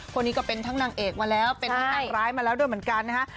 คนนี้ก็เป็นทั้งนางเอกมาแล้วเป็นทั้งนางร้ายมาแล้วด้วยเหมือนกันนะฮะ